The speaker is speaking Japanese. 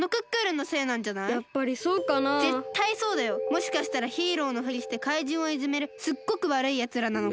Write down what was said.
もしかしたらヒーローのフリしてかいじんをいじめるすっごくわるいやつらなのかも。